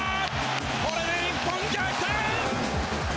これで日本、逆転！